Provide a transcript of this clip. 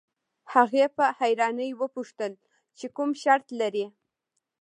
هغې په حيرانۍ وپوښتل چې کوم شرط لرئ.